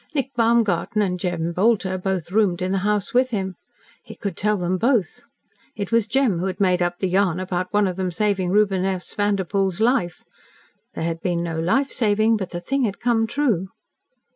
Nick Baumgarten and Jem Bolter both "roomed" in the house with him. He could tell them both. It was Jem who had made up the yarn about one of them saving Reuben S. Vanderpoel's life. There had been no life saving, but the thing had come true.